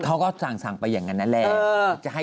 เขาก็สั่งไปอย่างนั้นนั่นแหละ